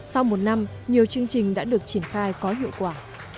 sau một năm nhiều chương trình đã được triển khai có hiệu quả